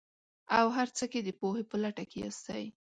او هر څه کې د پوهې په لټه کې ياستئ.